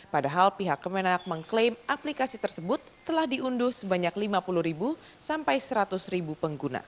padahal pihak kemenang mengklaim aplikasi tersebut telah diunduh sebanyak lima puluh sampai seratus pengguna